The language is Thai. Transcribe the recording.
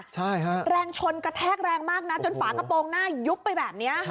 ใช่ฮะแรงชนกระแทกแรงมากนะจนฝากระโปรงหน้ายุบไปแบบนี้ค่ะ